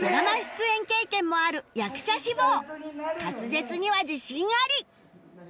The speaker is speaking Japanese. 実は滑舌には自信あり